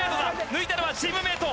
抜いたのはチームメート。